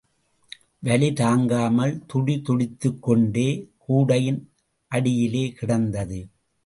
வலி தாங்காமல் துடிதுடித்துக் கொண்டே கூடையின் அடியிலே கிடந்தது.